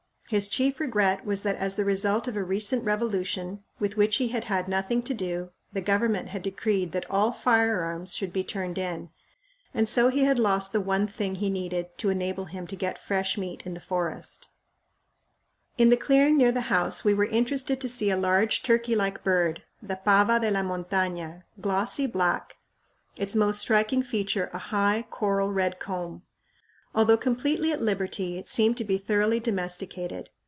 His chief regret was that as the result of a recent revolution, with which he had had nothing to do, the government had decreed that all firearms should be turned in, and so he had lost the one thing he needed to enable him to get fresh meat in the forest. FIGURE Saavedra and his Inca Pottery FIGURE Inca Gable at Espiritu Pampa In the clearing near the house we were interested to see a large turkey like bird, the pava de la montaña, glossy black, its most striking feature a high, coral red comb. Although completely at liberty, it seemed to be thoroughly domesticated.